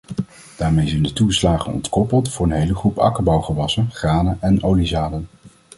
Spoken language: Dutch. Daarmee zijn de toeslagen ontkoppeld voor een hele groep akkerbouwgewassen: granen en oliezaden.